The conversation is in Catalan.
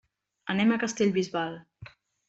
Anem a Castellbisbal.